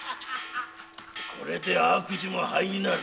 これで悪事も灰になる。